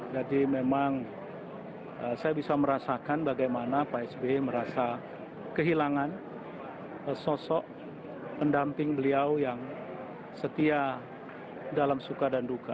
jadi memang saya bisa merasakan bagaimana pak sby merasa kehilangan sosok pendamping beliau yang setia dalam suka dan duka